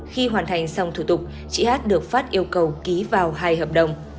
khi hoàn thành xong thủ tục chị hát được phát yêu cầu ký vào hai hợp đồng